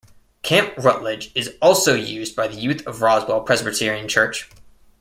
Camp Rutledge is also used by the youth of Roswell Presbyterian Church.